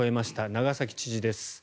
長崎知事です。